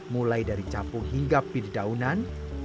mulai dari capung hingga pede daunan